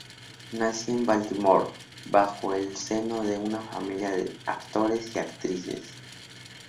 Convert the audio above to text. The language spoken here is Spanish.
Nació en Baltimore, bajo el seno de una familia de actores y actrices.